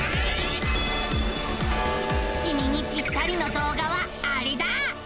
きみにぴったりの動画はアレだ！